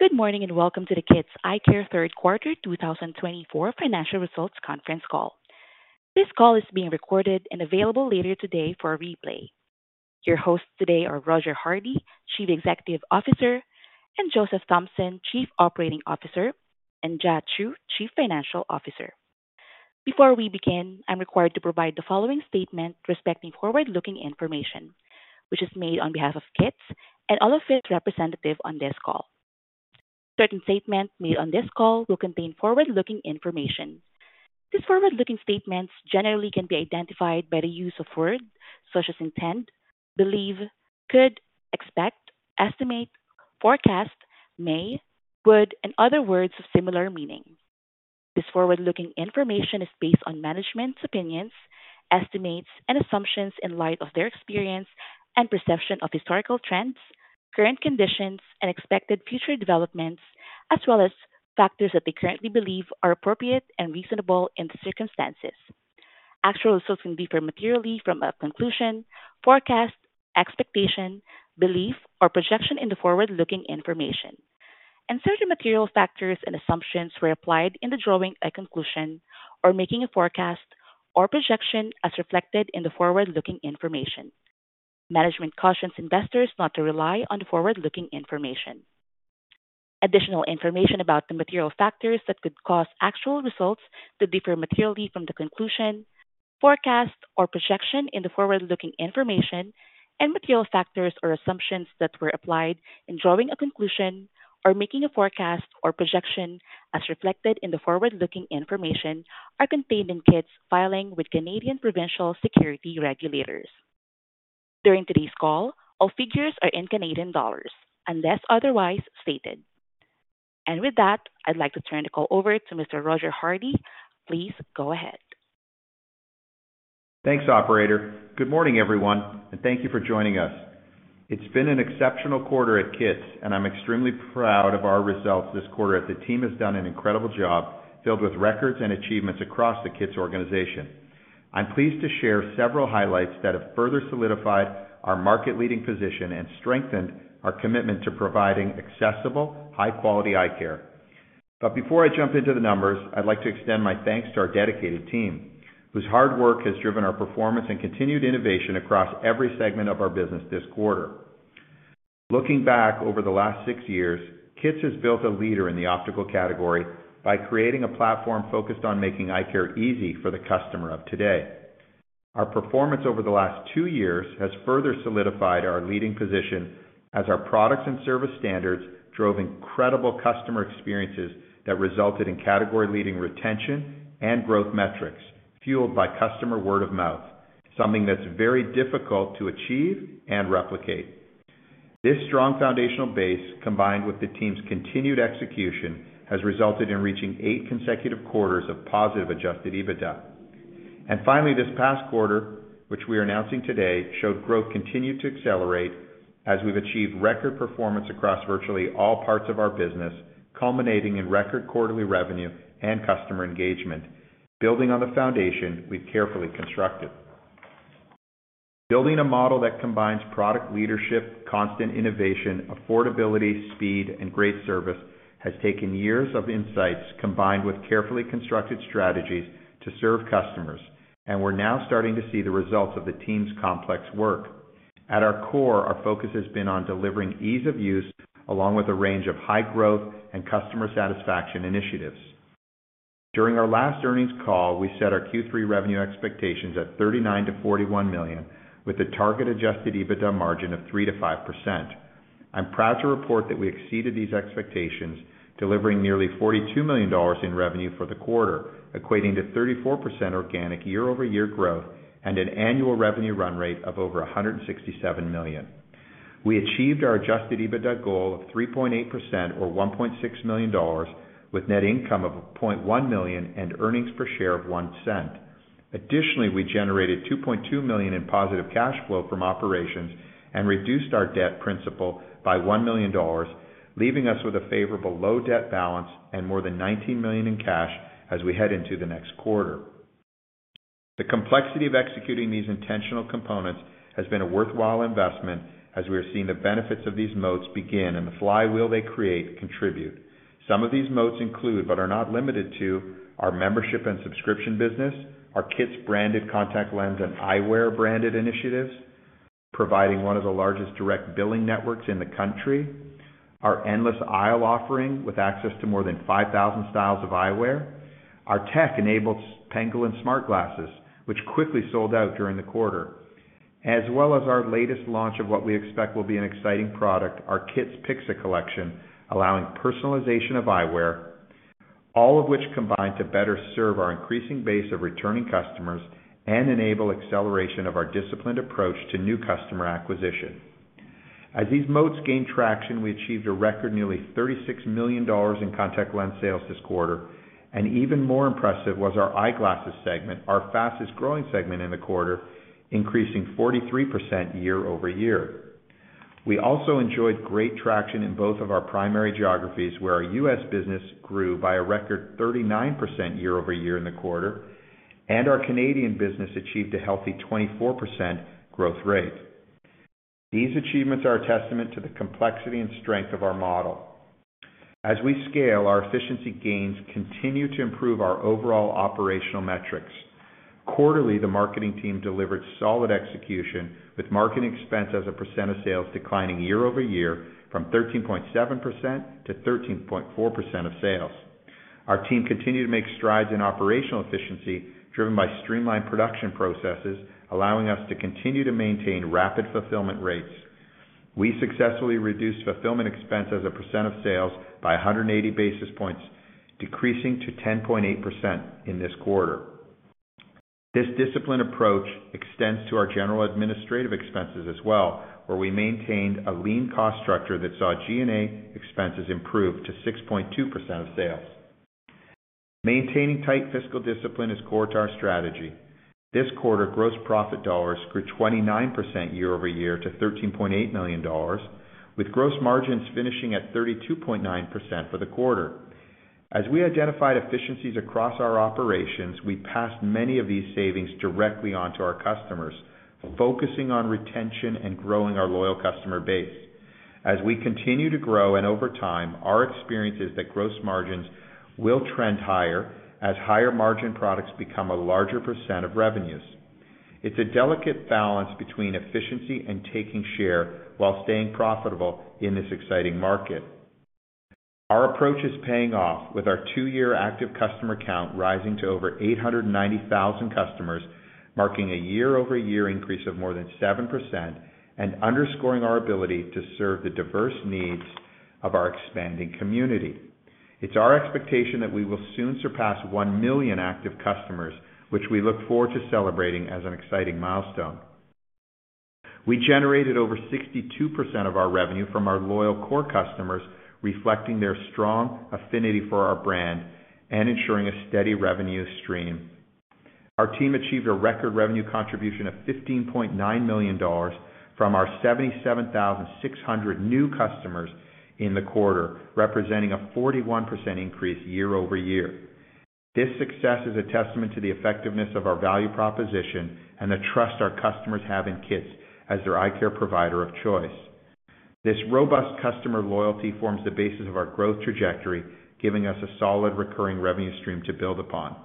Good morning and welcome to the KITS Eyecare Q3 2024 Financial Results Conference Call. This call is being recorded and available later today for replay. Your hosts today are Roger Hardy, Chief Executive Officer, and Joseph Thompson, Chief Operating Officer, and Zhe Choo, Chief Financial Officer. Before we begin, I'm required to provide the following statement respecting forward-looking information, which is made on behalf of KITS and all of its representatives on this call. Certain statements made on this call will contain forward-looking information. These forward-looking statements generally can be identified by the use of words such as intend, believe, could, expect, estimate, forecast, may, would, and other words of similar meaning. This forward-looking information is based on management's opinions, estimates, and assumptions in light of their experience and perception of historical trends, current conditions, and expected future developments, as well as factors that they currently believe are appropriate and reasonable in the circumstances. Actual results can differ materially from a conclusion, forecast, expectation, belief, or projection in the forward-looking information, and certain material factors and assumptions were applied in drawing a conclusion or making a forecast or projection as reflected in the forward-looking information. Management cautions investors not to rely on forward-looking information. Additional information about the material factors that could cause actual results to differ materially from the conclusion, forecast, or projection in the forward-looking information, and material factors or assumptions that were applied in drawing a conclusion or making a forecast or projection as reflected in the forward-looking information are contained in Kits filing with Canadian provincial securities regulators. During today's call, all figures are in Canadian dollars unless otherwise stated. And with that, I'd like to turn the call over to Mr. Roger Hardy. Please go ahead. Thanks, Operator. Good morning, everyone, and thank you for joining us. It's been an exceptional quarter at Kits, and I'm extremely proud of our results this quarter. The team has done an incredible job filled with records and achievements across the Kits organization. I'm pleased to share several highlights that have further solidified our market-leading position and strengthened our commitment to providing accessible, high-quality eyecare. But before I jump into the numbers, I'd like to extend my thanks to our dedicated team, whose hard work has driven our performance and continued innovation across every segment of our business this quarter. Looking back over the last six years, Kits has built a leader in the optical category by creating a platform focused on making eyecare easy for the customer of today. Our performance over the last two years has further solidified our leading position as our products and service standards drove incredible customer experiences that resulted in category-leading retention and growth metrics fueled by customer word of mouth, something that's very difficult to achieve and replicate. This strong foundational base, combined with the team's continued execution, has resulted in reaching eight consecutive quarters of positive Adjusted EBITDA. Finally, this past quarter, which we are announcing today, showed growth continued to accelerate as we've achieved record performance across virtually all parts of our business, culminating in record quarterly revenue and customer engagement, building on the foundation we've carefully constructed. Building a model that combines product leadership, constant innovation, affordability, speed, and great service has taken years of insights combined with carefully constructed strategies to serve customers, and we're now starting to see the results of the team's complex work. At our core, our focus has been on delivering ease of use along with a range of high growth and customer satisfaction initiatives. During our last earnings call, we set our Q3 revenue expectations at 39 million-41 million, with a target Adjusted EBITDA margin of 3%-5%. I'm proud to report that we exceeded these expectations, delivering nearly 42 million dollars in revenue for the quarter, equating to 34% organic year-over-year growth and an annual revenue run rate of over 167 million. We achieved our Adjusted EBITDA goal of 3.8% or 1.6 million dollars, with net income of 0.1 million and earnings per share of 0.01. Additionally, we generated 2.2 million in positive cash flow from operations and reduced our debt principal by 1 million dollars, leaving us with a favorable low debt balance and more than 19 million in cash as we head into the next quarter. The complexity of executing these intentional components has been a worthwhile investment as we are seeing the benefits of these moats begin and the flywheel they create contribute. Some of these moats include, but are not limited to, our membership and subscription business, our Kits branded contact lens and eyewear branded initiatives, providing one of the largest direct billing networks in the country, our Endless Aisle offering with access to more than 5,000 styles of eyewear, our tech-enabled Pangolin smart glasses, which quickly sold out during the quarter, as well as our latest launch of what we expect will be an exciting product, our Kits Pixa collection, allowing personalization of eyewear, all of which combine to better serve our increasing base of returning customers and enable acceleration of our disciplined approach to new customer acquisition. As these moats gained traction, we achieved a record nearly 36 million dollars in contact lens sales this quarter, and even more impressive was our eyeglasses segment, our fastest growing segment in the quarter, increasing 43% year-over-year. We also enjoyed great traction in both of our primary geographies, where our U.S. business grew by a record 39% year-over-year in the quarter, and our Canadian business achieved a healthy 24% growth rate. These achievements are a testament to the complexity and strength of our model. As we scale, our efficiency gains continue to improve our overall operational metrics. Quarterly, the marketing team delivered solid execution, with marketing expense as a percent of sales declining year-over-year from 13.7% to 13.4% of sales. Our team continued to make strides in operational efficiency driven by streamlined production processes, allowing us to continue to maintain rapid fulfillment rates. We successfully reduced fulfillment expense as a percent of sales by 180 basis points, decreasing to 10.8% in this quarter. This disciplined approach extends to our general administrative expenses as well, where we maintained a lean cost structure that saw G&A expenses improve to 6.2% of sales. Maintaining tight fiscal discipline is core to our strategy. This quarter, gross profit dollars grew 29% year-over-year to $13.8 million, with gross margins finishing at 32.9% for the quarter. As we identified efficiencies across our operations, we passed many of these savings directly onto our customers, focusing on retention and growing our loyal customer base. As we continue to grow and over time, our experience is that gross margins will trend higher as higher margin products become a larger % of revenues. It's a delicate balance between efficiency and taking share while staying profitable in this exciting market. Our approach is paying off, with our two-year active customer count rising to over 890,000 customers, marking a year-over-year increase of more than 7% and underscoring our ability to serve the diverse needs of our expanding community. It's our expectation that we will soon surpass 1 million active customers, which we look forward to celebrating as an exciting milestone. We generated over 62% of our revenue from our loyal core customers, reflecting their strong affinity for our brand and ensuring a steady revenue stream. Our team achieved a record revenue contribution of 15.9 million dollars from our 77,600 new customers in the quarter, representing a 41% increase year-over-year. This success is a testament to the effectiveness of our value proposition and the trust our customers have in Kits as their eyecare provider of choice. This robust customer loyalty forms the basis of our growth trajectory, giving us a solid recurring revenue stream to build upon.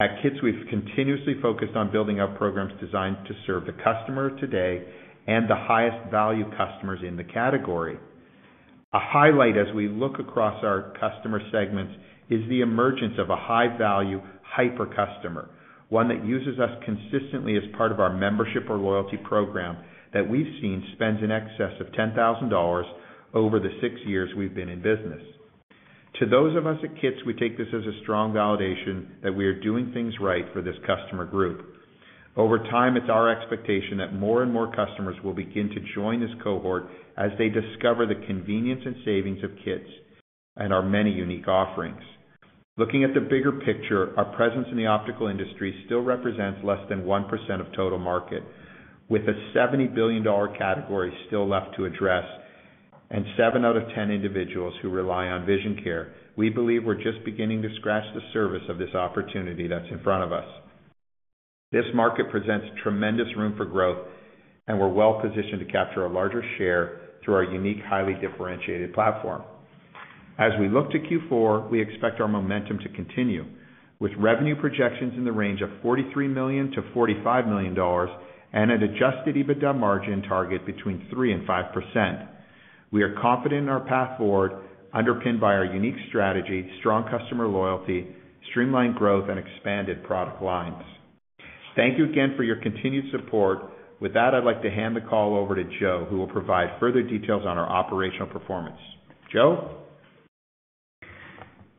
At Kits, we've continuously focused on building out programs designed to serve the customer today and the highest value customers in the category. A highlight as we look across our customer segments is the emergence of a high-value hyper customer, one that uses us consistently as part of our membership or loyalty program that we've seen spends in excess of $10,000 over the six years we've been in business. To those of us at Kits, we take this as a strong validation that we are doing things right for this customer group. Over time, it's our expectation that more and more customers will begin to join this cohort as they discover the convenience and savings of Kits and our many unique offerings. Looking at the bigger picture, our presence in the optical industry still represents less than 1% of total market, with a $70 billion category still left to address and seven out of 10 individuals who rely on vision care. We believe we're just beginning to scratch the surface of this opportunity that's in front of us. This market presents tremendous room for growth, and we're well positioned to capture a larger share through our unique, highly differentiated platform. As we look to Q4, we expect our momentum to continue, with revenue projections in the range of $43 million to $45 million and an Adjusted EBITDA margin target between 3% and 5%. We are confident in our path forward, underpinned by our unique strategy, strong customer loyalty, streamlined growth, and expanded product lines. Thank you again for your continued support. With that, I'd like to hand the call over to Joe, who will provide further details on our operational performance. Joe?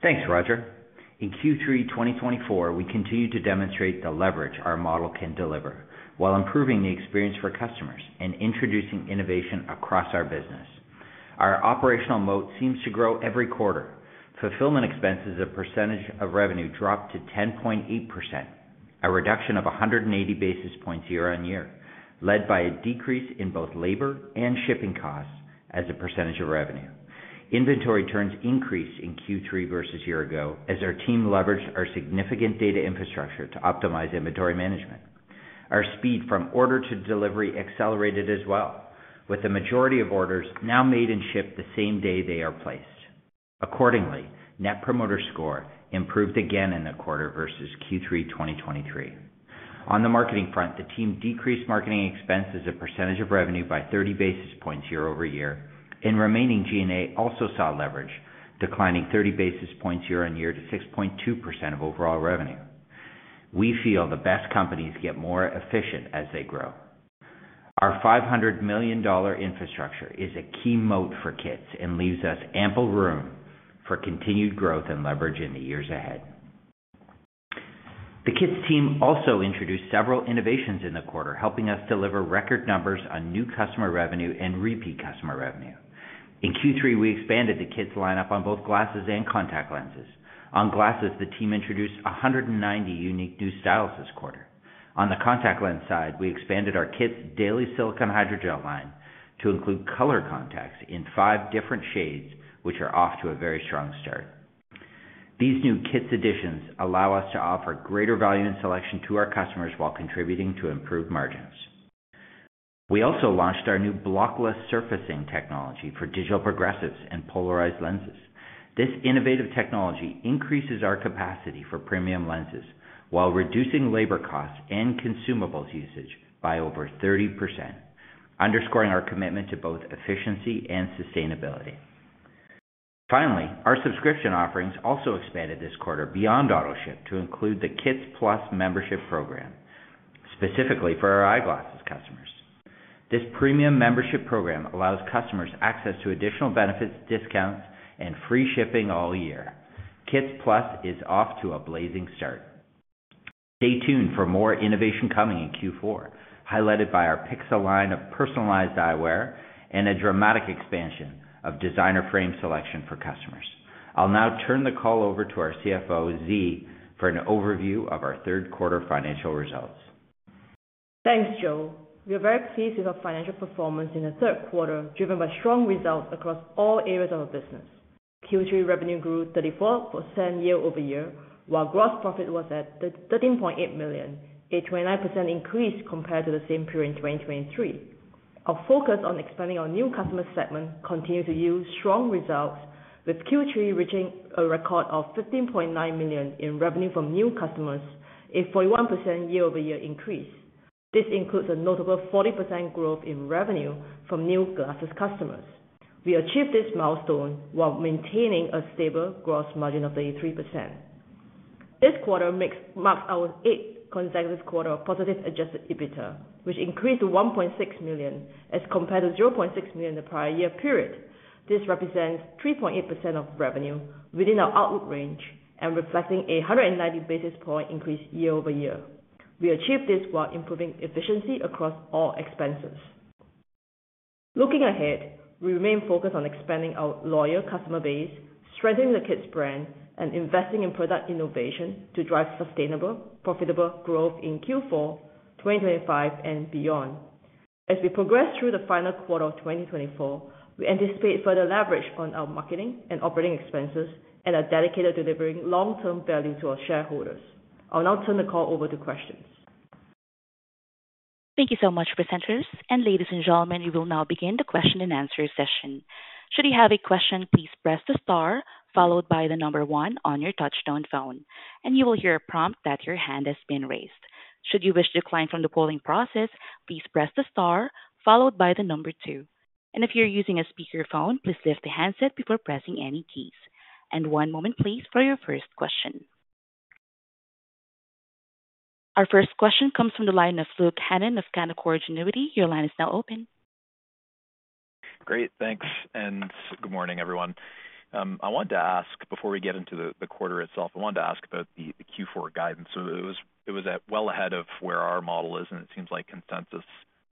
Thanks, Roger. In Q3 2024, we continue to demonstrate the leverage our model can deliver while improving the experience for customers and introducing innovation across our business. Our operational moat seems to grow every quarter. Fulfillment expenses as a percentage of revenue dropped to 10.8%, a reduction of 180 basis points year on year, led by a decrease in both labor and shipping costs as a percentage of revenue. Inventory turns increased in Q3 versus year ago as our team leveraged our significant data infrastructure to optimize inventory management. Our speed from order to delivery accelerated as well, with the majority of orders now made and shipped the same day they are placed. Accordingly, Net Promoter Score improved again in the quarter versus Q3 2023. On the marketing front, the team decreased marketing expenses as a percentage of revenue by 30 basis points year-over-year, and remaining G&A also saw leverage, declining 30 basis points year on year to 6.2% of overall revenue. We feel the best companies get more efficient as they grow. Our $500 million infrastructure is a key moat for Kits and leaves us ample room for continued growth and leverage in the years ahead. The Kits team also introduced several innovations in the quarter, helping us deliver record numbers on new customer revenue and repeat customer revenue. In Q3, we expanded the Kits lineup on both glasses and contact lenses. On glasses, the team introduced 190 unique new styles this quarter. On the contact lens side, we expanded our Kits Daily silicone hydrogel line to include color contacts in five different shades, which are off to a very strong start. These new Kits additions allow us to offer greater value and selection to our customers while contributing to improved margins. We also launched our new blockless surfacing technology for digital progressives and polarized lenses. This innovative technology increases our capacity for premium lenses while reducing labor costs and consumables usage by over 30%, underscoring our commitment to both efficiency and sustainability. Finally, our subscription offerings also expanded this quarter beyond Autoship to include the Kits Plus membership program, specifically for our eyeglasses customers. This premium membership program allows customers access to additional benefits, discounts, and free shipping all year. Kits Plus is off to a blazing start. Stay tuned for more innovation coming in Q4, highlighted by our Pixa line of personalized eyewear and a dramatic expansion of designer frame selection for customers. I'll now turn the call over to our CFO, Zhe, for an overview of our Q3 financial results. Thanks, Joe. We are very pleased with our financial performance in the Q3, driven by strong results across all areas of our business. Q3 revenue grew 34% year-over-year, while gross profit was at 13.8 million, a 29% increase compared to the same period in 2023. Our focus on expanding our new customer segment continues to yield strong results, with Q3 reaching a record of 15.9 million in revenue from new customers, a 41% year-over-year increase. This includes a notable 40% growth in revenue from new glasses customers. We achieved this milestone while maintaining a stable gross margin of 33%. This quarter marks our eighth consecutive quarter of positive Adjusted EBITDA, which increased to 1.6 million as compared to 0.6 million in the prior year period. This represents 3.8% of revenue within our outlook range and reflecting a 190 basis point increase year-over-year. We achieved this while improving efficiency across all expenses. Looking ahead, we remain focused on expanding our loyal customer base, strengthening the Kits brand, and investing in product innovation to drive sustainable, profitable growth in Q4 2025 and beyond. As we progress through the final quarter of 2024, we anticipate further leverage on our marketing and operating expenses and are dedicated to delivering long-term value to our shareholders. I'll now turn the call over to questions. Thank you so much, presenters. And ladies and gentlemen, we will now begin the question and answer session. Should you have a question, please press the star followed by the number one on your touch-tone phone, and you will hear a prompt that your hand has been raised. Should you wish to decline from the polling process, please press the star followed by the number two. And if you're using a speakerphone, please lift the handset before pressing any keys. And one moment, please, for your first question. Our first question comes from the line of Luke Hannan of Canaccord Genuity. Your line is now open. Great. Thanks. And good morning, everyone. I wanted to ask before we get into the quarter itself. I wanted to ask about the Q4 guidance. So it was well ahead of where our model is, and it seems like consensus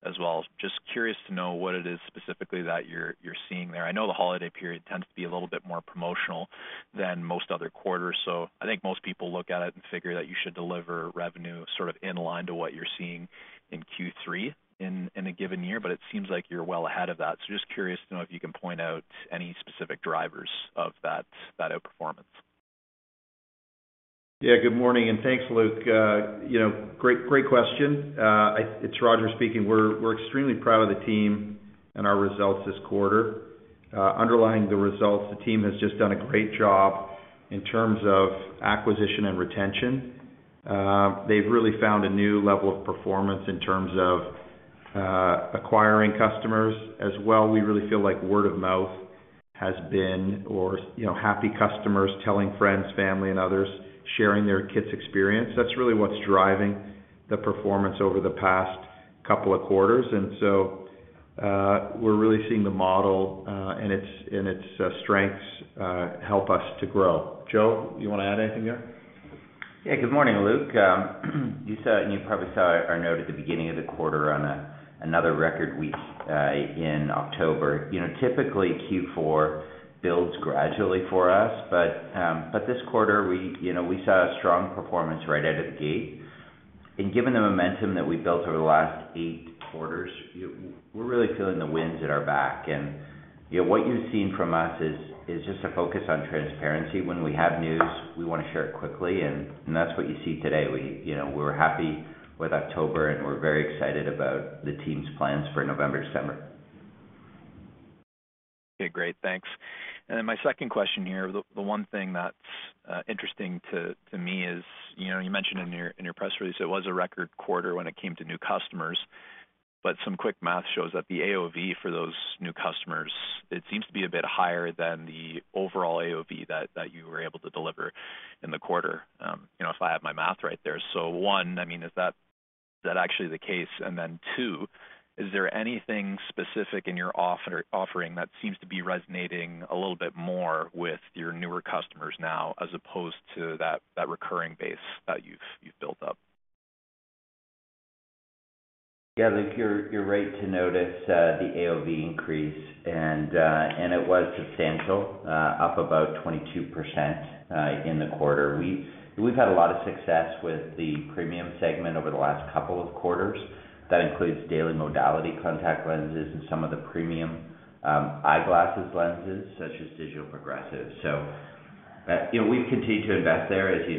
as well. Just curious to know what it is specifically that you're seeing there. I know the holiday period tends to be a little bit more promotional than most other quarters, so I think most people look at it and figure that you should deliver revenue sort of in line to what you're seeing in Q3 in a given year, but it seems like you're well ahead of that. So just curious to know if you can point out any specific drivers of that outperformance? Yeah. Good morning, and thanks, Luke. Great question. It's Roger speaking. We're extremely proud of the team and our results this quarter. Underlying the results, the team has just done a great job in terms of acquisition and retention. They've really found a new level of performance in terms of acquiring customers as well. We really feel like word of mouth has been our happy customers telling friends, family, and others sharing their Kits experience. That's really what's driving the performance over the past couple of quarters. And so we're really seeing the model and its strengths help us to grow. Joe, you want to add anything there? Yeah. Good morning, Luke. You probably saw our note at the beginning of the quarter on another record week in October. Typically, Q4 builds gradually for us, but this quarter, we saw a strong performance right out of the gate. And given the momentum that we built over the last eight quarters, we're really feeling the winds at our back. And what you've seen from us is just a focus on transparency. When we have news, we want to share it quickly, and that's what you see today. We were happy with October, and we're very excited about the team's plans for November, December. Okay. Great. Thanks. And then my second question here, the one thing that's interesting to me is you mentioned in your press release it was a record quarter when it came to new customers, but some quick math shows that the AOV for those new customers, it seems to be a bit higher than the overall AOV that you were able to deliver in the quarter if I have my math right there. So one, I mean, is that actually the case? And then two, is there anything specific in your offering that seems to be resonating a little bit more with your newer customers now as opposed to that recurring base that you've built up? Yeah. Luke, you're right to notice the AOV increase, and it was substantial, up about 22% in the quarter. We've had a lot of success with the premium segment over the last couple of quarters. That includes daily modality contact lenses and some of the premium eyeglasses lenses such as digital progressive. So we've continued to invest there, as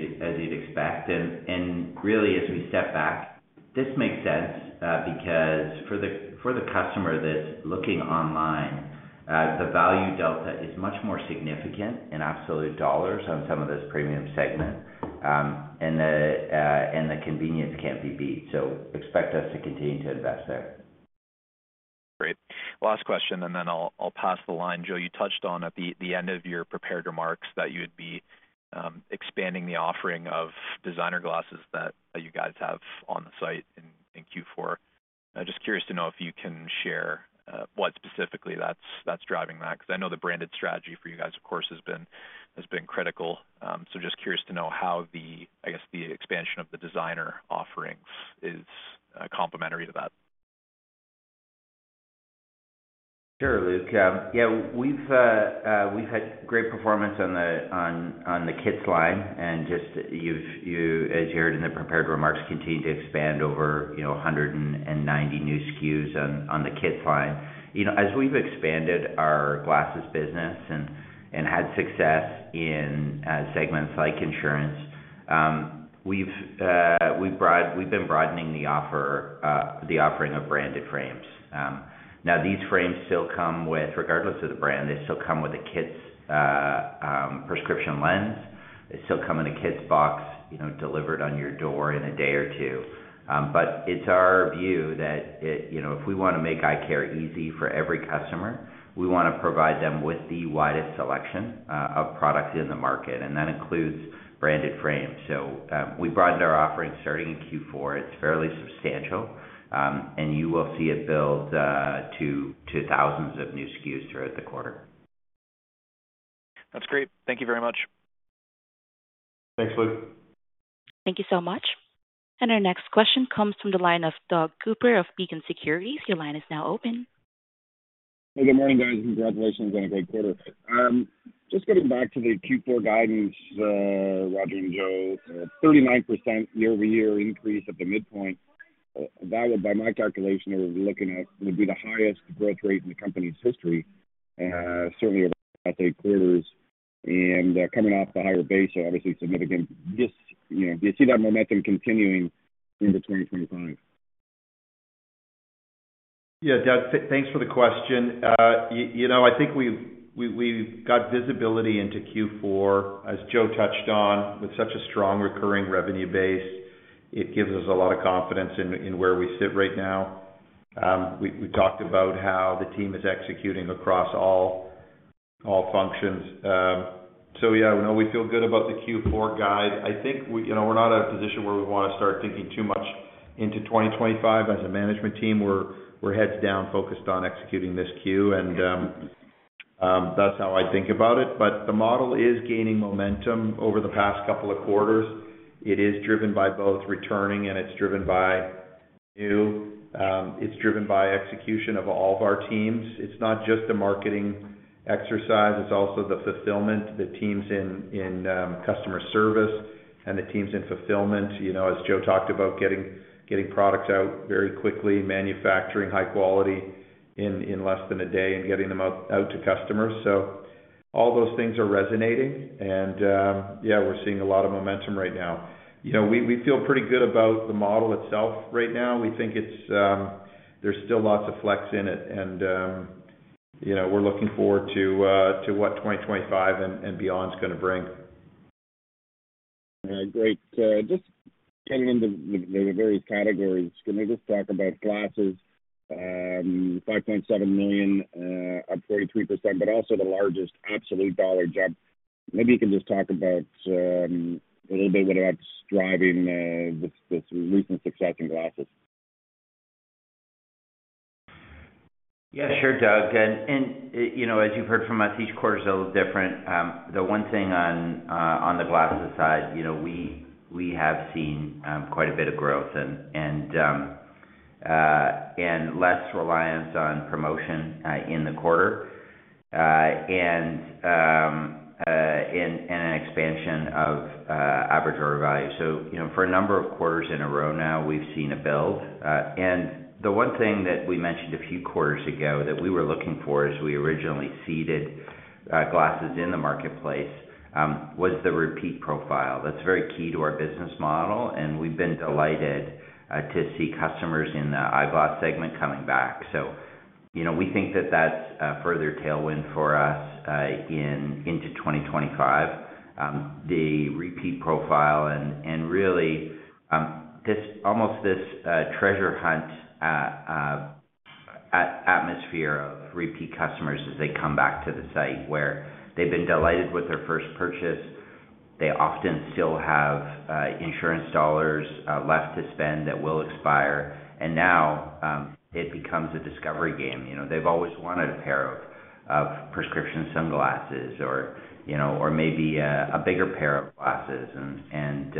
you'd expect. And really, as we step back, this makes sense because for the customer that's looking online, the value delta is much more significant in absolute dollars on some of this premium segment, and the convenience can't be beat. So expect us to continue to invest there. Great. Last question, and then I'll pass the line. Joe, you touched on at the end of your prepared remarks that you'd be expanding the offering of designer glasses that you guys have on the site in Q4. Just curious to know if you can share what specifically that's driving that because I know the branded strategy for you guys, of course, has been critical. So just curious to know how, I guess, the expansion of the designer offerings is complementary to that. Sure, Luke. Yeah. We've had great performance on the Kits line, and just you've, as you heard in the prepared remarks, continued to expand over 190 new SKUs on the Kits line. As we've expanded our glasses business and had success in segments like insurance, we've been broadening the offering of branded frames. Now, these frames still come with, regardless of the brand, they still come with a Kits prescription lens. They still come in a Kits box delivered on your door in a day or two. But it's our view that if we want to make eyecare easy for every customer, we want to provide them with the widest selection of products in the market, and that includes branded frames. So we broadened our offering starting in Q4. It's fairly substantial, and you will see it build to thousands of new SKUs throughout the quarter. That's great. Thank you very much. Thanks, Luke. Thank you so much. And our next question comes from the line of Doug Cooper of Beacon Securities. Your line is now open. Well, good morning, guys, and congratulations on a great quarter. Just getting back to the Q4 guidance, Roger and Joe, 39% year-over-year increase at the midpoint. That would, by my calculation, we're looking at would be the highest growth rate in the company's history, certainly over the past eight quarters. And coming off the higher base, obviously, significant lift. Do you see that momentum continuing into 2025? Yeah. Doug, thanks for the question. I think we've got visibility into Q4. As Joe touched on, with such a strong recurring revenue base, it gives us a lot of confidence in where we sit right now. We talked about how the team is executing across all functions. So yeah, we feel good about the Q4 guide. I think we're not in a position where we want to start thinking too much into 2025. As a management team, we're heads down, focused on executing this SKU, and that's how I think about it. But the model is gaining momentum over the past couple of quarters. It is driven by both returning, and it's driven by new. It's driven by execution of all of our teams. It's not just a marketing exercise. It's also the fulfillment, the teams in customer service, and the teams in fulfillment. As Joe talked about, getting products out very quickly, manufacturing high quality in less than a day, and getting them out to customers. So all those things are resonating, and yeah, we're seeing a lot of momentum right now. We feel pretty good about the model itself right now. We think there's still lots of flex in it, and we're looking forward to what 2025 and beyond is going to bring. All right. Great. Just getting into the various categories, can we just talk about glasses? 5.7 million at 43%, but also the largest absolute dollar jump. Maybe you can just talk about a little bit what's driving this recent success in glasses. Yeah. Sure, Doug. And as you've heard from us, each quarter is a little different. The one thing on the glasses side, we have seen quite a bit of growth and less reliance on promotion in the quarter and an expansion of average order value. So for a number of quarters in a row now, we've seen a build. And the one thing that we mentioned a few quarters ago that we were looking for as we originally seeded glasses in the marketplace was the repeat profile. That's very key to our business model, and we've been delighted to see customers in the eyeglass segment coming back. So we think that that's a further tailwind for us into 2025. The repeat profile and really almost this treasure hunt atmosphere of repeat customers as they come back to the site where they've been delighted with their first purchase. They often still have insurance dollars left to spend that will expire, and now it becomes a discovery game. They've always wanted a pair of prescription sunglasses or maybe a bigger pair of glasses, and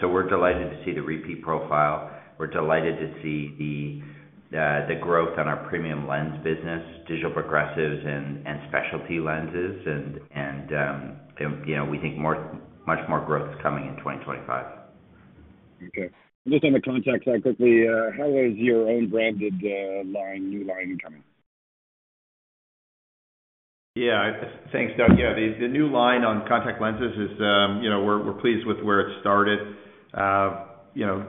so we're delighted to see the repeat profile. We're delighted to see the growth on our premium lens business, digital progressives, and specialty lenses, and we think much more growth is coming in 2025. Okay. Just on the context side quickly, how is your own branded new line coming? Yeah. Thanks, Doug. Yeah. The new line on contact lenses, we're pleased with where it started.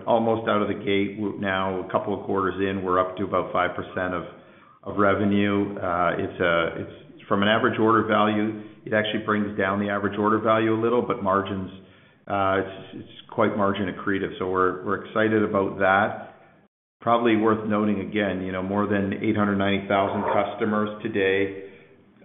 Almost out of the gate now, a couple of quarters in, we're up to about 5% of revenue. From an average order value, it actually brings down the average order value a little, but it's quite margin accretive. So we're excited about that. Probably worth noting, again, more than 890,000 customers today,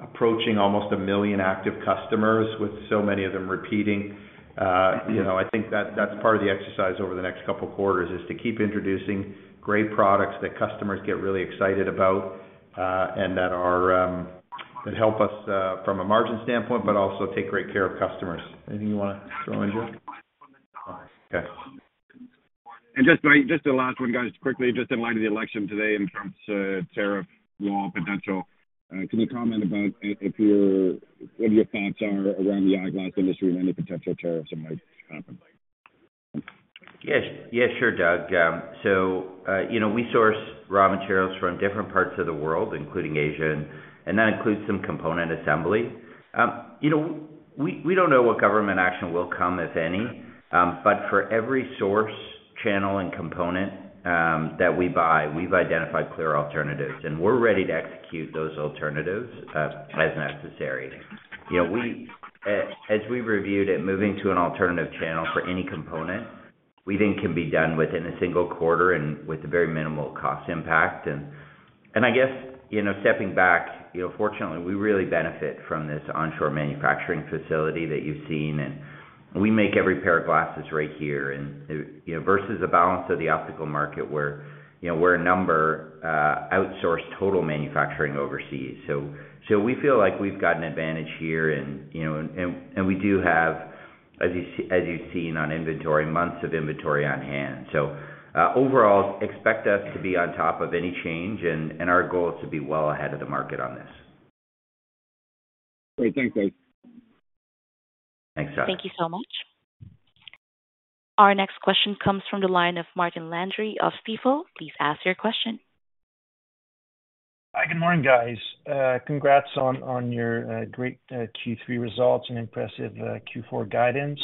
approaching almost a million active customers, with so many of them repeating. I think that's part of the exercise over the next couple of quarters is to keep introducing great products that customers get really excited about and that help us from a margin standpoint, but also take great care of customers. Anything you want to throw in, Joe? Okay, and just the last one, guys, quickly, just in light of the election today and Trump's tariff law potential, can you comment about what your thoughts are around the eyeglass industry and any potential tariffs that might happen? Yeah. Sure, Doug. So we source raw materials from different parts of the world, including Asia, and that includes some component assembly. We don't know what government action will come, if any, but for every source, channel, and component that we buy, we've identified clear alternatives, and we're ready to execute those alternatives as necessary. As we've reviewed it, moving to an alternative channel for any component, we think can be done within a single quarter and with a very minimal cost impact, and I guess stepping back, fortunately, we really benefit from this onshore manufacturing facility that you've seen, and we make every pair of glasses right here versus the balance of the optical market where a number outsource total manufacturing overseas, so we feel like we've got an advantage here, and we do have, as you've seen on inventory, months of inventory on hand. So overall, expect us to be on top of any change, and our goal is to be well ahead of the market on this. Great. Thanks, guys. Thanks, Doug. Thank you so much. Our next question comes from the line of Martin Landry of Stifel. Please ask your question. Hi. Good morning, guys. Congrats on your great Q3 results and impressive Q4 guidance.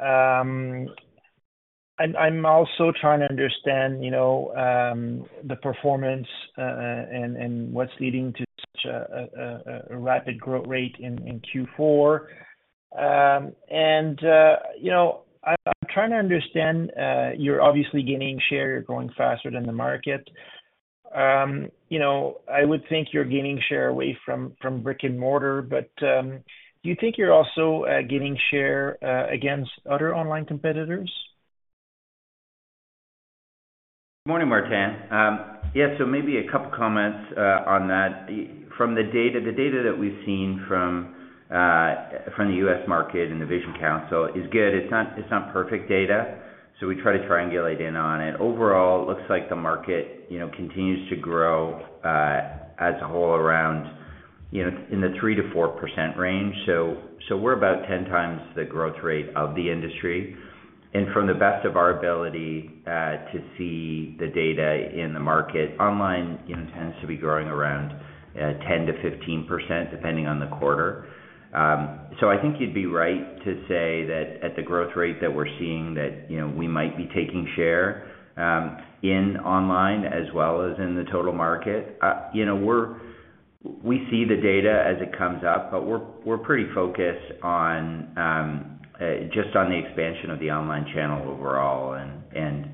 I'm also trying to understand the performance and what's leading to such a rapid growth rate in Q4, and I'm trying to understand you're obviously gaining share. You're growing faster than the market. I would think you're gaining share away from brick and mortar, but do you think you're also gaining share against other online competitors? Good morning, Martin. Yeah. So maybe a couple of comments on that. From the data that we've seen from the U.S. market and the Vision Council is good. It's not perfect data, so we try to triangulate in on it. Overall, it looks like the market continues to grow as a whole around in the 3%-4% range. So we're about 10 times the growth rate of the industry. And from the best of our ability to see the data in the market, online tends to be growing around 10%-15% depending on the quarter. So I think you'd be right to say that at the growth rate that we're seeing, that we might be taking share in online as well as in the total market. We see the data as it comes up, but we're pretty focused just on the expansion of the online channel overall, and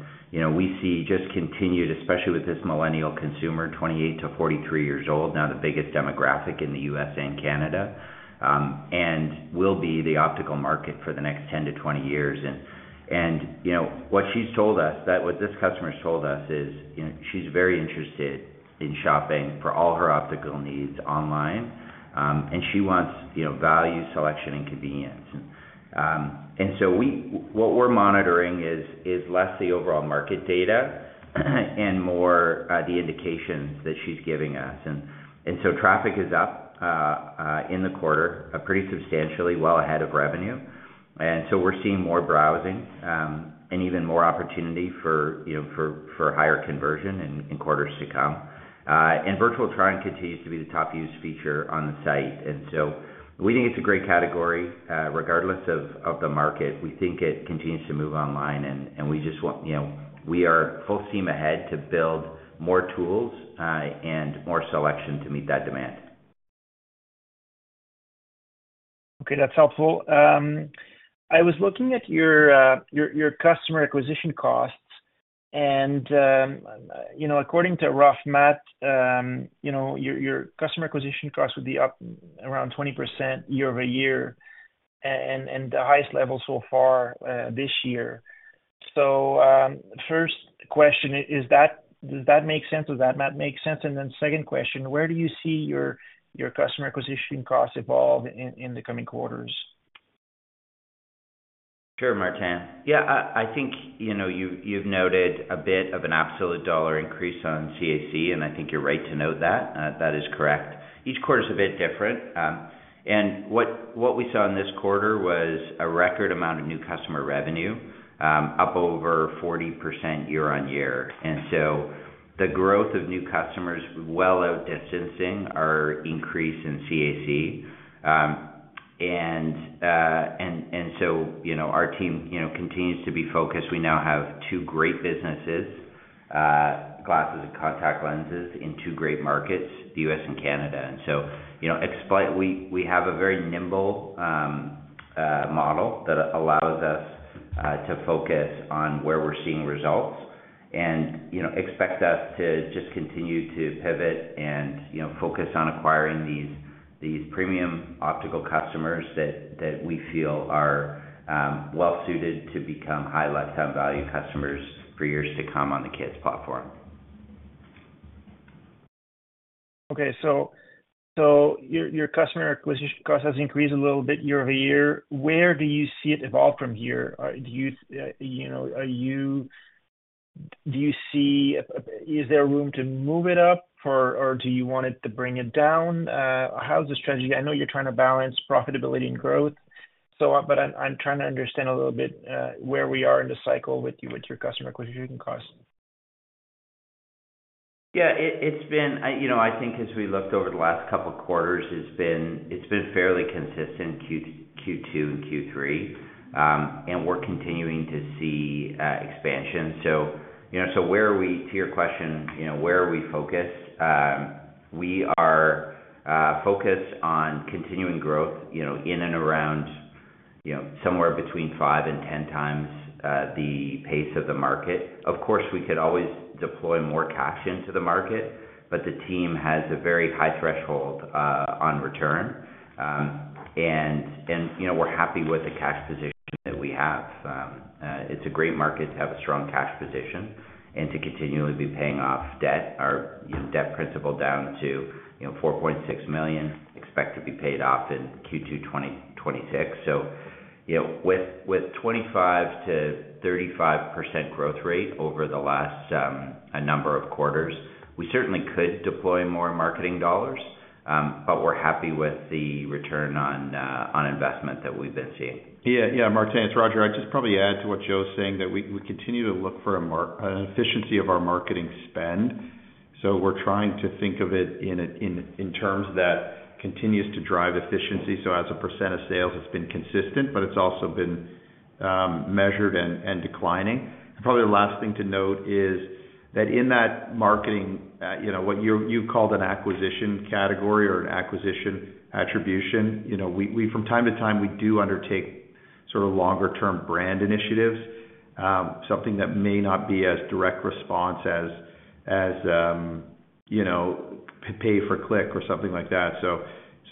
we see just continued, especially with this millennial consumer, 28-43 years old, now the biggest demographic in the U.S. and Canada, and will be the optical market for the next 10-20 years, and what she's told us, what this customer has told us, is she's very interested in shopping for all her optical needs online, and she wants value, selection, and convenience, and so what we're monitoring is less the overall market data and more the indications that she's giving us, and so traffic is up in the quarter, pretty substantially, well ahead of revenue, and so we're seeing more browsing and even more opportunity for higher conversion in quarters to come, and virtual trying continues to be the top-used feature on the site. And so we think it's a great category regardless of the market. We think it continues to move online, and we are full steam ahead to build more tools and more selection to meet that demand. Okay. That's helpful. I was looking at your customer acquisition costs, and according to rough math, your customer acquisition costs would be up around 20% year-over-year and the highest level so far this year. So first question, does that make sense? Does that math make sense? And then second question, where do you see your customer acquisition costs evolve in the coming quarters? Sure, Martin. Yeah. I think you've noted a bit of an absolute dollar increase on CAC, and I think you're right to note that. That is correct. Each quarter is a bit different. And what we saw in this quarter was a record amount of new customer revenue, up over 40% year-on-year. And so the growth of new customers well outdistancing our increase in CAC. And so our team continues to be focused. We now have two great businesses, glasses and contact lenses, in two great markets, the U.S. and Canada. And so we have a very nimble model that allows us to focus on where we're seeing results and expect us to just continue to pivot and focus on acquiring these premium optical customers that we feel are well-suited to become high lifetime value customers for years to come on the Kits platform. Okay. So your customer acquisition cost has increased a little bit year-over-year. Where do you see it evolve from here? Do you see is there room to move it up, or do you want it to bring it down? How's the strategy? I know you're trying to balance profitability and growth, but I'm trying to understand a little bit where we are in the cycle with your customer acquisition costs. Yeah. I think as we looked over the last couple of quarters, it's been fairly consistent Q2 and Q3, and we're continuing to see expansion. So where are we? To your question, where are we focused? We are focused on continuing growth in and around somewhere between five and 10 times the pace of the market. Of course, we could always deploy more cash into the market, but the team has a very high threshold on return, and we're happy with the cash position that we have. It's a great market to have a strong cash position and to continually be paying off debt, our debt principal down to 4.6 million. Expect to be paid off in Q2 2026. So with 25%-35% growth rate over the last number of quarters, we certainly could deploy more marketing dollars, but we're happy with the return on investment that we've been seeing. Yeah. Yeah. Martin, it's Roger. I'd just probably add to what Joe's saying that we continue to look for an efficiency of our marketing spend. So we're trying to think of it in terms that continues to drive efficiency. So as a percent of sales, it's been consistent, but it's also been measured and declining. And probably the last thing to note is that in that marketing, what you called an acquisition category or an acquisition attribution, from time to time, we do undertake sort of longer-term brand initiatives, something that may not be as direct response as pay-per-click or something like that.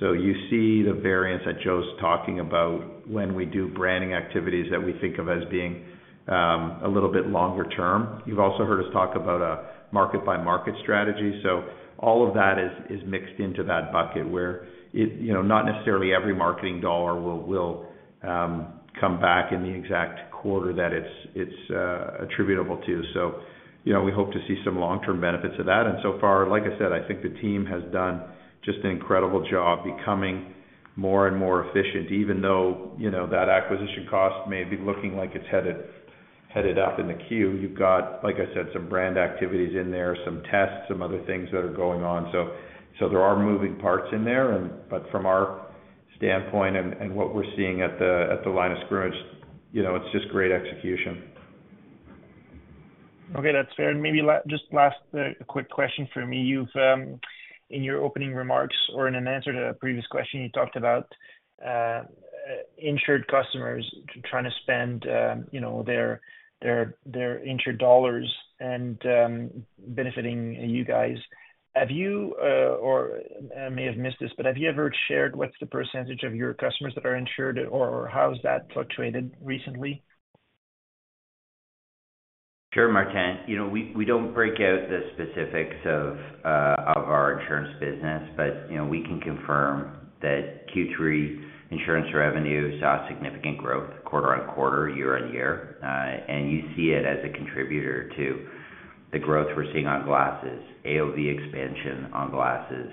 So you see the variance that Joe's talking about when we do branding activities that we think of as being a little bit longer term. You've also heard us talk about a market-by-market strategy. So all of that is mixed into that bucket where not necessarily every marketing dollar will come back in the exact quarter that it's attributable to. So we hope to see some long-term benefits of that. And so far, like I said, I think the team has done just an incredible job becoming more and more efficient. Even though that acquisition cost may be looking like it's headed up in the Q, you've got, like I said, some brand activities in there, some tests, some other things that are going on. So there are moving parts in there, but from our standpoint and what we're seeing at the line of scrimmage, it's just great execution. Okay. That's fair. And maybe just last quick question for me. In your opening remarks or in an answer to a previous question, you talked about insured customers trying to spend their insured dollars and benefiting you guys. I may have missed this, but have you ever shared what's the percentage of your customers that are insured, or how has that fluctuated recently? Sure, Martin. We don't break out the specifics of our insurance business, but we can confirm that Q3 insurance revenues saw significant growth quarter on quarter, year on year, and you see it as a contributor to the growth we're seeing on glasses, AOV expansion on glasses,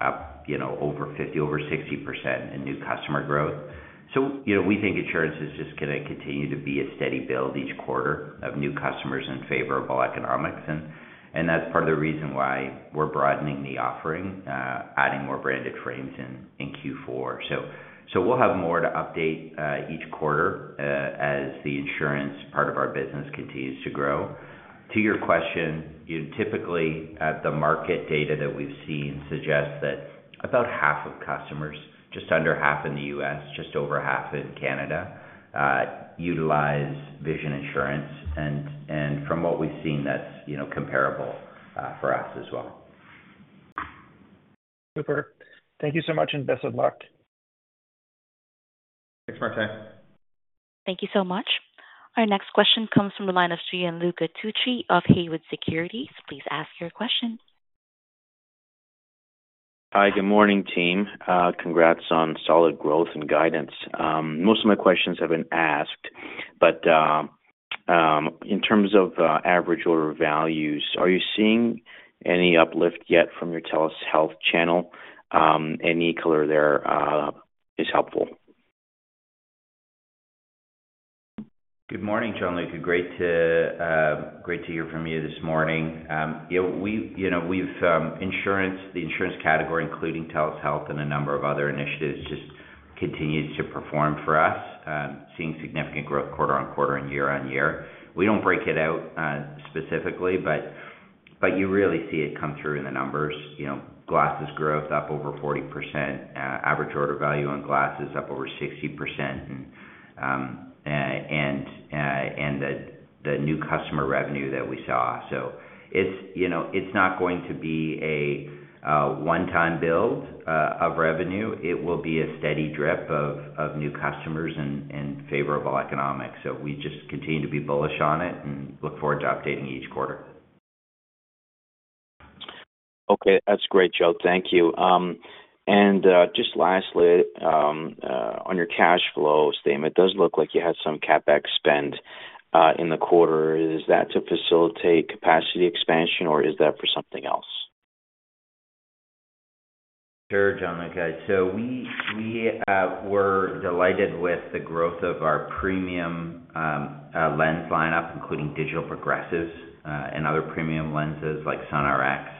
up over 50, over 60% in new customer growth, so we think insurance is just going to continue to be a steady build each quarter of new customers in favor of all economics, and that's part of the reason why we're broadening the offering, adding more branded frames in Q4, so we'll have more to update each quarter as the insurance part of our business continues to grow. To your question, typically, the market data that we've seen suggests that about half of customers, just under half in the U.S., just over half in Canada, utilize Vision Insurance. From what we've seen, that's comparable for us as well. Super. Thank you so much and best of luck. Thanks, Martin. Thank you so much. Our next question comes from the line of Luca Tucci of Haywood Securities. Please ask your question. Hi. Good morning, team. Congrats on solid growth and guidance. Most of my questions have been asked, but in terms of average order values, are you seeing any uplift yet from your TELUS Health channel? Any color there is helpful. Good morning, Gianluca, great to hear from you this morning. We've insurance, the insurance category, including TELUS Health and a number of other initiatives, just continues to perform for us, seeing significant growth quarter on quarter and year on year. We don't break it out specifically, but you really see it come through in the numbers. Glasses growth up over 40%, average order value on glasses up over 60%, and the new customer revenue that we saw. So it's not going to be a one-time build of revenue. It will be a steady drip of new customers in favor of all economics. So we just continue to be bullish on it and look forward to updating each quarter. Okay. That's great, Joe. Thank you. And just lastly, on your cash flow statement, it does look like you had some CapEx spend in the quarter. Is that to facilitate capacity expansion, or is that for something else? Sure, John. Okay. So we were delighted with the growth of our premium lens lineup, including Digital Progressives and other premium lenses like sun Rx,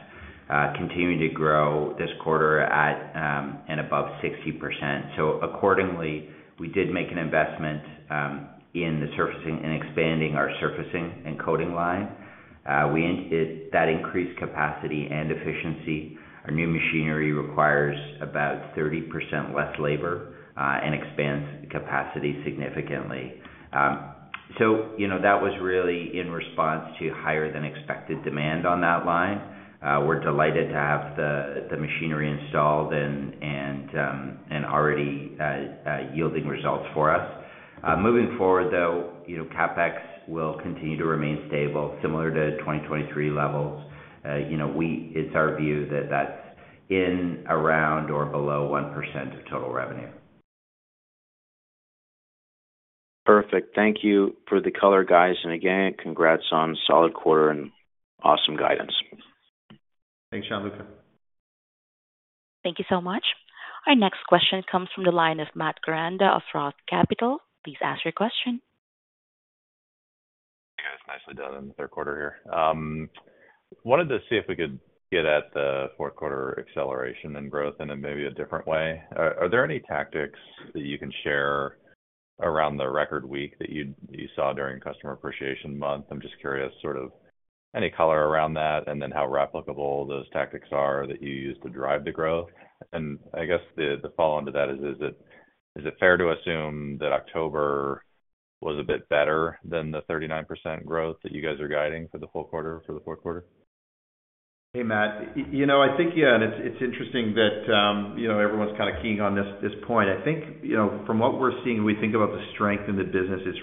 continuing to grow this quarter at and above 60%. So accordingly, we did make an investment in the surfacing and expanding our surfacing and coating line. That increased capacity and efficiency. Our new machinery requires about 30% less labor and expands capacity significantly. So that was really in response to higher-than-expected demand on that line. We're delighted to have the machinery installed and already yielding results for us. Moving forward, though, CapEx will continue to remain stable, similar to 2023 levels. It's our view that that's in, around, or below 1% of total revenue. Perfect. Thank you for the color, guys. And again, congrats on solid quarter and awesome guidance. Thanks, Gianluca. Thank you so much. Our next question comes from the line of Matt Koranda of Roth Capital. Please ask your question. Yeah. It's nicely done in the Q3 here. Wanted to see if we could get at the Q4 acceleration and growth in maybe a different way. Are there any tactics that you can share around the record week that you saw during customer appreciation month? I'm just curious, sort of any color around that and then how replicable those tactics are that you use to drive the growth. And I guess the follow-on to that is, is it fair to assume that October was a bit better than the 39% growth that you guys are guiding for the Q4? Hey, Matt. I think, yeah, and it's interesting that everyone's kind of keying on this point. I think from what we're seeing, we think about the strength in the business. It's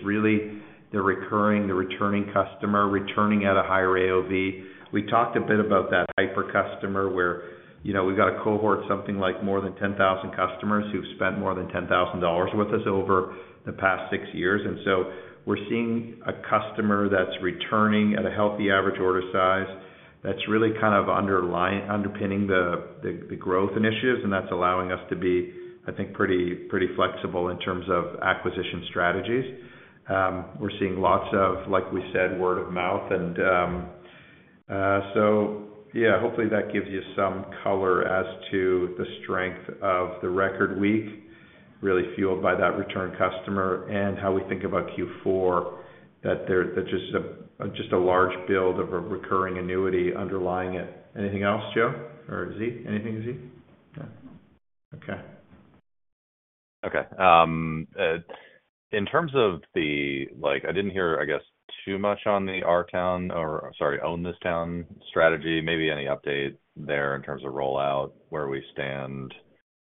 really the recurring, the returning customer, returning at a higher AOV. We talked a bit about that hyper customer where we've got a cohort, something like more than 10,000 customers who've spent more than 10,000 dollars with us over the past six years. And so we're seeing a customer that's returning at a healthy average order size that's really kind of underpinning the growth initiatives, and that's allowing us to be, I think, pretty flexible in terms of acquisition strategies. We're seeing lots of, like we said, word of mouth. So, yeah, hopefully that gives you some color as to the strength of the record week, really fueled by that return customer and how we think about Q4, that there's just a large build of a recurring annuity underlying it. Anything else, Joe? Or Z? Anything Z? Yeah. Okay. Okay. In terms of the, I didn't hear, I guess, too much on the our town or, sorry, Own This Town strategy, maybe any update there in terms of rollout, where we stand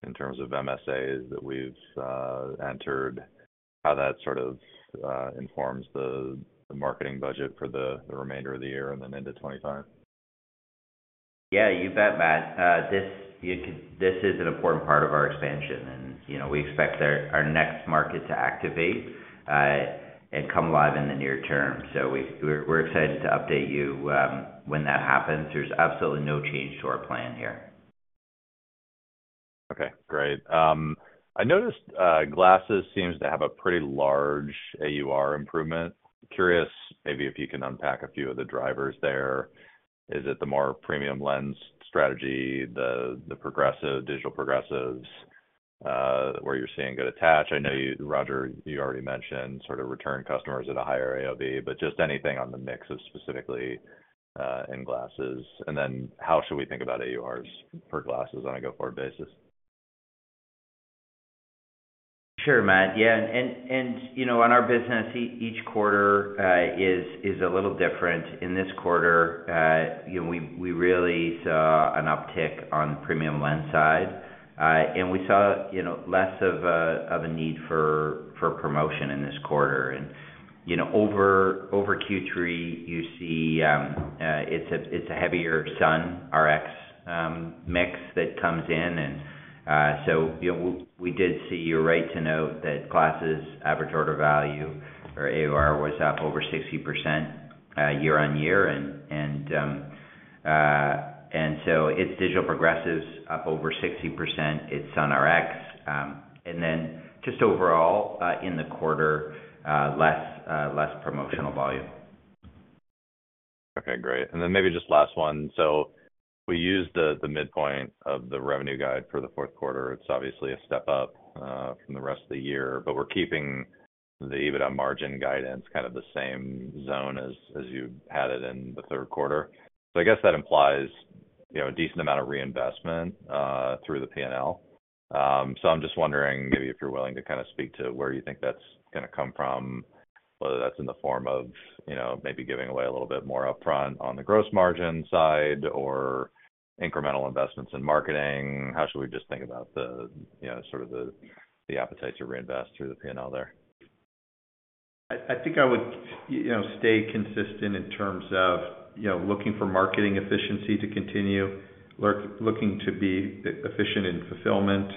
in terms of MSAs that we've entered, how that sort of informs the marketing budget for the remainder of the year and then into 2025? Yeah. You bet, Matt. This is an important part of our expansion, and we expect our next market to activate and come live in the near term. So we're excited to update you when that happens. There's absolutely no change to our plan here. Okay. Great. I noticed glasses seems to have a pretty large AUR improvement. Curious maybe if you can unpack a few of the drivers there. Is it the more premium lens strategy, the Digital Progressives, where you're seeing good attach? I know, Roger, you already mentioned sort of return customers at a higher AOV, but just anything on the mix of specifically in glasses. And then how should we think about AURs for glasses on a go-forward basis? Sure, Matt. Yeah, and on our business, each quarter is a little different. In this quarter, we really saw an uptick on the premium lens side, and we saw less of a need for promotion in this quarter. And over Q3, you see it's a heavier SunRx mix that comes in. And so we did see, you're right to note that, glasses' average order value or AUR was up over 60% year on year. And so it's Digital Progressives up over 60%. It's SunRx. And then just overall, in the quarter, less promotional volume. Okay. Great. And then maybe just last one. So we used the midpoint of the revenue guide for the Q4. It's obviously a step up from the rest of the year, but we're keeping the EBITDA margin guidance kind of the same zone as you had it in the Q3. So I guess that implies a decent amount of reinvestment through the P&L. So I'm just wondering maybe if you're willing to kind of speak to where you think that's going to come from, whether that's in the form of maybe giving away a little bit more upfront on the gross margin side or incremental investments in marketing. How should we just think about sort of the appetite to reinvest through the P&L there? I think I would stay consistent in terms of looking for marketing efficiency to continue, looking to be efficient in fulfillment,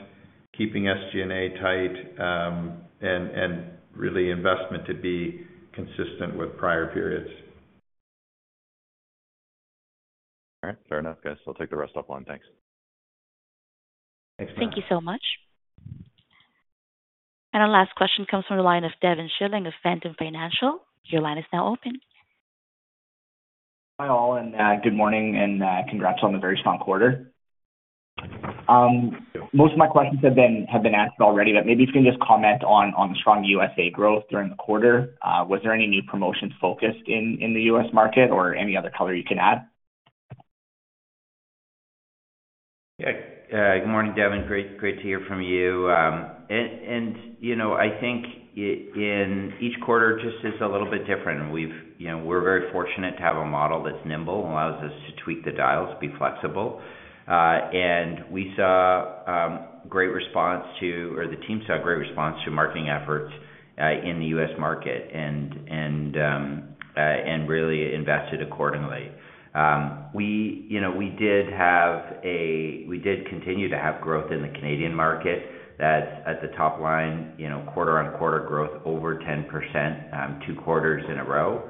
keeping SG&A tight, and really investment to be consistent with prior periods. All right. Fair enough, guys. I'll take the rest offline. Thanks. Thanks, Matt. Thank you so much. And our last question comes from the line of Devin Schilling of Ventum Financial. Your line is now open. Hi all, and good morning, and congrats on a very strong quarter. Most of my questions have been asked already, but maybe if you can just comment on strong USA growth during the quarter. Was there any new promotions focused in the US market or any other color you can add? Yeah. Good morning, Devin. Great to hear from you. And I think in each quarter, it just is a little bit different. We're very fortunate to have a model that's nimble, allows us to tweak the dials, be flexible. And we saw great response to, or the team saw great response to marketing efforts in the U.S. market and really invested accordingly. We did continue to have growth in the Canadian market. That's at the top line, quarter on quarter growth over 10%, two quarters in a row.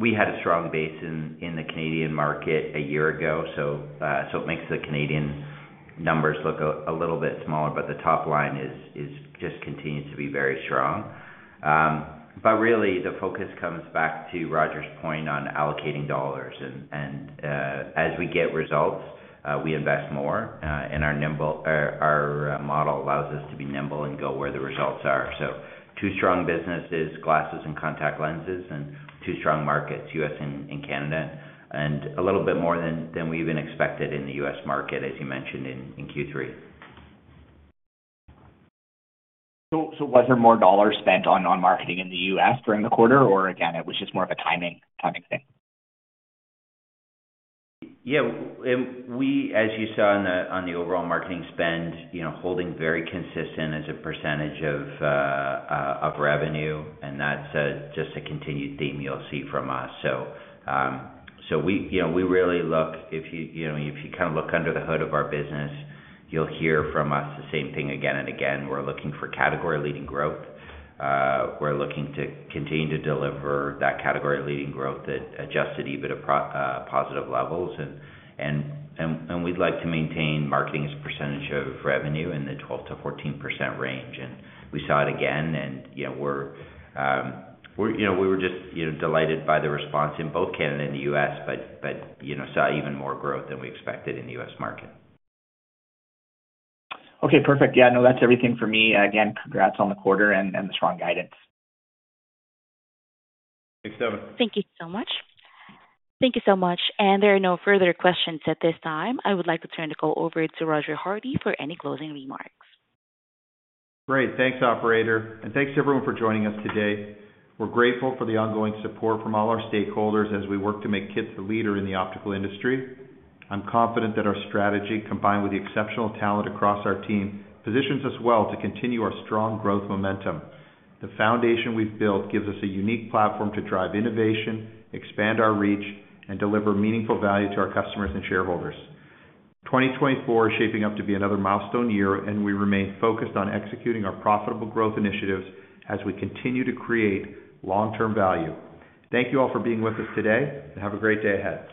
We had a strong base in the Canadian market a year ago, so it makes the Canadian numbers look a little bit smaller, but the top line just continues to be very strong. But really, the focus comes back to Roger's point on allocating dollars. And as we get results, we invest more, and our model allows us to be nimble and go where the results are. So two strong businesses, glasses and contact lenses, and two strong markets, US and Canada, and a little bit more than we even expected in the US market, as you mentioned, in Q3. So was there more dollars spent on marketing in the U.S. during the quarter, or again, it was just more of a timing thing? Yeah. And we, as you saw on the overall marketing spend, holding very consistent as a percentage of revenue, and that's just a continued theme you'll see from us. So we really look if you kind of look under the hood of our business, you'll hear from us the same thing again and again. We're looking for category-leading growth. We're looking to continue to deliver that category-leading growth that adjusted even to positive levels. And we'd like to maintain marketing as a percentage of revenue in the 12%-14% range. And we saw it again, and we were just delighted by the response in both Canada and the US, but saw even more growth than we expected in the US market. Okay. Perfect. Yeah. No, that's everything for me. Again, congrats on the quarter and the strong guidance. Thanks, Devin. Thank you so much. Thank you so much. And there are no further questions at this time. I would like to turn the call over to Roger Hardy for any closing remarks. Great. Thanks, operator. And thanks to everyone for joining us today. We're grateful for the ongoing support from all our stakeholders as we work to make Kits the leader in the optical industry. I'm confident that our strategy, combined with the exceptional talent across our team, positions us well to continue our strong growth momentum. The foundation we've built gives us a unique platform to drive innovation, expand our reach, and deliver meaningful value to our customers and shareholders. 2024 is shaping up to be another milestone year, and we remain focused on executing our profitable growth initiatives as we continue to create long-term value. Thank you all for being with us today, and have a great day ahead.